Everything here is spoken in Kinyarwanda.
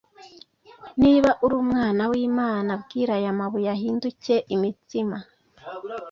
Niba uri umwana w'Imana, Bwira aya mabuye ahinduke imitsima